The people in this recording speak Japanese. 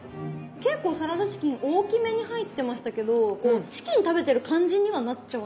結構サラダチキン大きめに入ってましたけどチキン食べてる感じにはなっちゃわないですか？